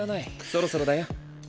そろそろだよ。